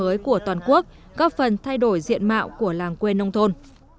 nông thôn mới của toàn quốc góp phần thay đổi diện mạo của làng quê nông thôn